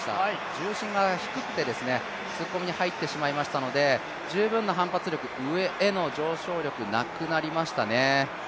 重心が低くて突っ込みに入ってしまいましたので、十分な反発力、上への上昇力、なくなりましたね。